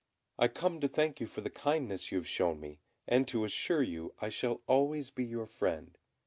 I come to thank you for the kindness you have shown me, and to assure you I shall always be your friend.